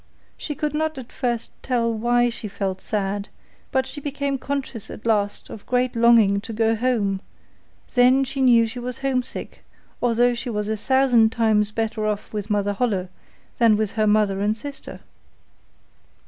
She could not at first tell why she felt sad, but she became conscious at last of great longing to go home; then she knew she was homesick, although she was a thousand times better off with Mother Holle than with her mother and sister.